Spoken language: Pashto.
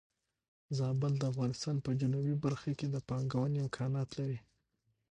زابل د افغانستان په جنوبی برخه کې د پانګونې امکانات لري.